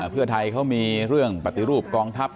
เพื่อไทยเขามีเรื่องปฏิรูปกองทัพ